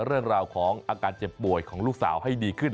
เรื่องราวของอาการเจ็บป่วยของลูกสาวให้ดีขึ้น